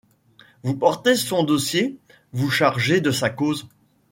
Vous porter son dossier, vous charger de sa cause